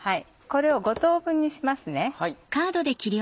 これを５等分にしますね。